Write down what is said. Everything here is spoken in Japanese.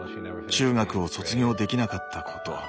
中学を卒業できなかったこと。